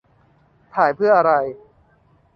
- ถ่ายเพื่ออะไร